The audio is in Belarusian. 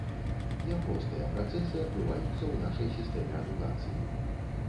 Няпростыя працэсы адбываюцца ў нашай сістэме адукацыі.